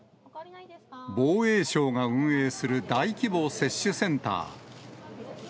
防衛省が運営する大規模接種センター。